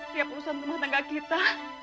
tiap urusan rumah tangga kita